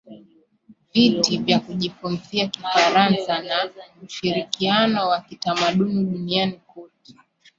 viti vya kujifunzia kifaransa na ushirikiano wa kitamaduni duniani kote